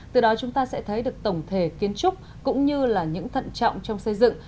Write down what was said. từ đó chúng ta sẽ thấy được tổng thể kiến trúc cũng như là những thận trọng trong xây dựng